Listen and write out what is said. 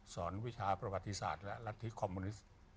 สอนวิชาประวัติศาสตร์และลัทธิคคอมมูนิสต์